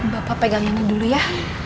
bapak pegang ini dulu ya